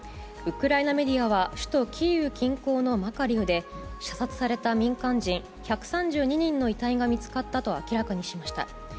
ウクライナメディアは、首都キーウ近郊のマカリウで、射殺された民間人１３２人の遺体が見つかったと明らかにしました。